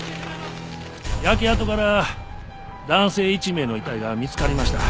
焼け跡から男性１名の遺体が見つかりました。